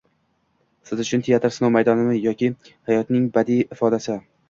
— Siz uchun teatr sinov maydonimi yoki hayotning badiiy ifodasi?